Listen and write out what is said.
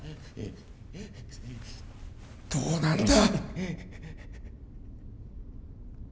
どうなんだ？